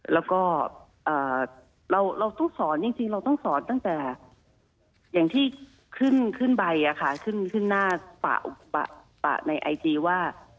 แล้วก็เราต้องสอนจริงเราต้องสอนตั้งแต่อย่างที่ขึ้นใบขึ้นหน้าในไอจีว่า